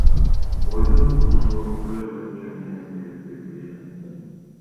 Бойдун узундугу көз өлчөм менен эле белгиленет.